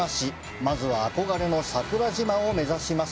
まずは憧れの桜島を目指します。